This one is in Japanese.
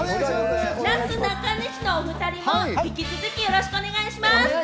なすなかにしのお二人も引き続きよろしくお願いします。